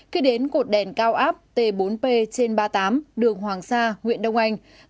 khi đến cột đèn cao áp t bốn p trên ba mươi tám đường hoàng sa huyện đông anh